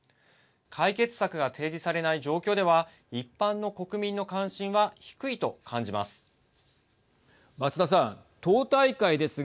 解決策が提示されない状況では一般の国民の関心は低いと感じます。